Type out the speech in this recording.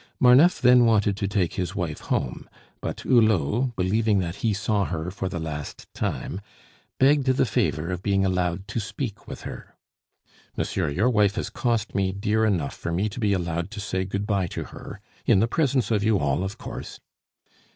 Marneffe then wanted to take his wife home; but Hulot, believing that he saw her for the last time, begged the favor of being allowed to speak with her. "Monsieur, your wife has cost me dear enough for me to be allowed to say good bye to her in the presence of you all, of course."